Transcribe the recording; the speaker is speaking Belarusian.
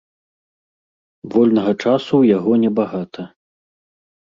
Вольнага часу ў яго небагата.